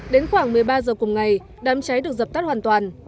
đến khoảng một mươi ba h cùng ngày đám cháy được dập tắt hoàn toàn